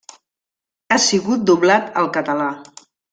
Ha sigut doblat al català.